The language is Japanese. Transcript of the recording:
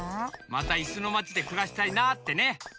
またいすのまちでくらしたいなってね。